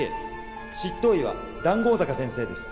執刀医は談合坂先生です。